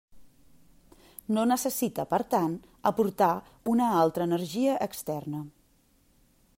No necessita per tant aportar una altra energia externa.